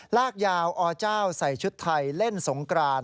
ลากยาวอเจ้าใส่ชุดไทยเล่นสงกราน